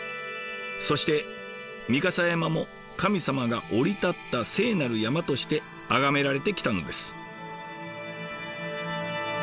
そして御蓋山も神様が降り立った聖なる山として崇められてきたのです。